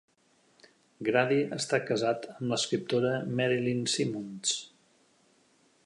Grady està casat amb l'escriptora Merilyn Simonds.